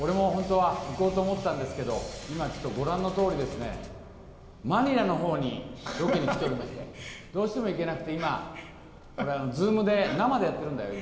俺も本当は行こうと思ったんですけど、今ちょっとご覧のとおりですね、マニラのほうにロケに来ておりまして、どうしても行けなくて、今、Ｚｏｏｍで、生でやってるんだよ。